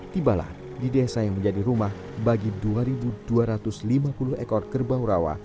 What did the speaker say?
tibalah di desa yang menjadi rumah bagi dua dua ratus lima puluh ekor kerbau rawa